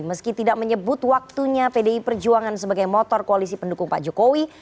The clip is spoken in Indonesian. meski tidak menyebut waktunya pdi perjuangan sebagai motor koalisi pendukung pak jokowi